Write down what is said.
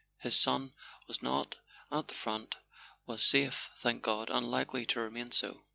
His son was not at the front—was safe, thank God, and likely to remain so!